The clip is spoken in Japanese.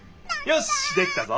よしできたぞ！